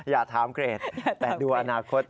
อย่าถามเกรดแต่ดูอนาคต